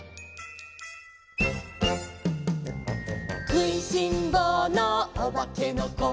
「くいしんぼうのおばけのこ」